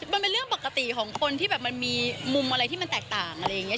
มันเป็นเรื่องปกติของคนที่แบบมันมีมุมอะไรที่มันแตกต่างอะไรอย่างนี้